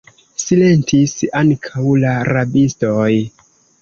Silentis ankaŭ la rabistoj.